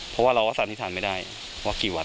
ก็สันติธรรมไม่ได้ว่ากี่วัน